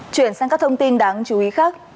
chuyển sang các thông tin đáng chú ý khác